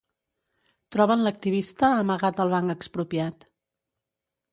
Troben l'activista amagat al Banc Expropiat